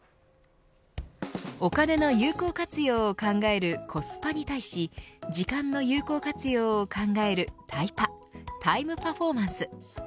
お金の有効活用を考えるコスパに対し時間の有効活用を考えるタイパタイムパフォーマンス。